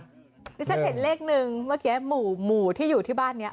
ดิฉันเห็นเลขหนึ่งเมื่อกี้หมู่ที่อยู่ที่บ้านนี้